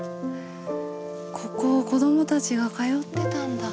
ここを子供たちが通ってたんだ。